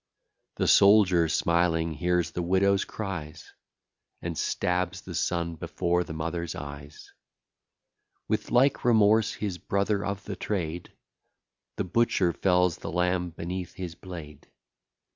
The soldier smiling hears the widow's cries, And stabs the son before the mother's eyes. With like remorse his brother of the trade, The butcher, fells the lamb beneath his blade.